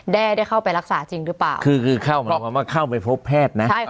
ได้เข้าไปรักษาจริงหรือเปล่าคือคือเข้าหมายความว่าเข้าไปพบแพทย์นะใช่ค่ะ